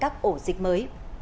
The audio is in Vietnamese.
cổ dịch mới